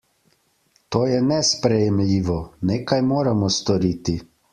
To je nesprejemljivo, nekaj moramo storiti!